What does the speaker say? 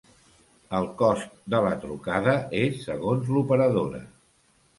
El cost de la trucada és segons l'operadora.